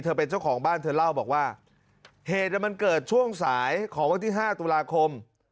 เป็นเจ้าของบ้านเธอเล่าบอกว่าเหตุมันเกิดช่วงสายของวันที่๕ตุลาคม